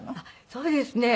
そうですね。